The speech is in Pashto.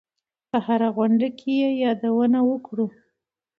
په هره غونډه کې یې یادونه وکړو.